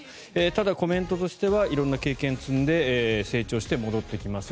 ただ、コメントとしては色んな経験を積んで、成長して戻ってきます